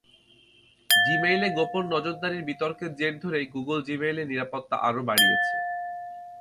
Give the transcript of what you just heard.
জিমেইলে গোপন নজরদারির বিতর্কের জের ধরে গুগল জিমেইলে নিরাপত্তা আরও বাড়িয়েছে।